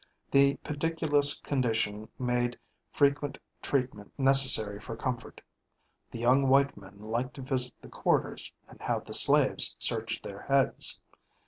The pediculous condition made frequent treatment necessary for comfort. The young white men liked to visit the "quarters" and have the slaves search their heads.